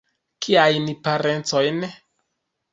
Kiajn parencojn?